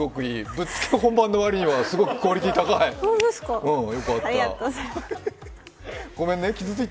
ぶっつけ本番の割にはクオリティーがすごい。